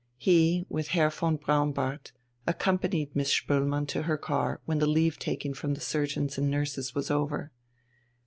He, with Herr von Braunbart, accompanied Miss Spoelmann to her car when the leave taking from the surgeons and nurses was over.